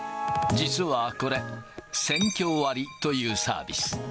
実はこれ、選挙割というサービス。